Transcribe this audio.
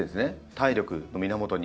体力の源に。